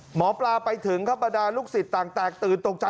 หมอปลาไปถึงครับบรรดาลูกศิษย์ต่างแตกตื่นตกใจ